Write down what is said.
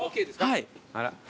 はい。